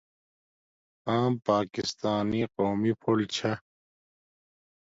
آم پاکستانی قومی فول چھا